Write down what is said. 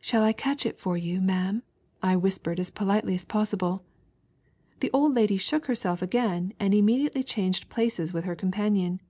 "Shall I catch it for you, ma'am?" I whispered as politely as possible. The old lady shook herself again and immediately changed places with her companion.